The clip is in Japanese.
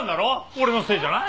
俺のせいじゃない。